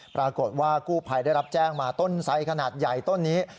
ปรากฏว่ากู้ภัยได้รับแจ้งมาต้นไสขนาดใหญ่ต้นนี้